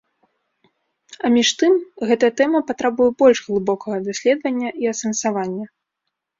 А між тым, гэта тэма патрабуе больш глыбокага даследавання і асэнсавання.